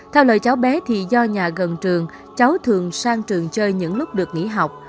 theo lời cháu bé thì do nhà gần trường cháu thường sang trường chơi những lúc được nghỉ học